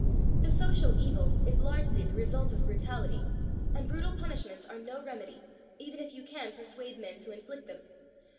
The social evil is largely the result of brutality, and brutal punishments are no remedy, even if you can persuade men to inflict them.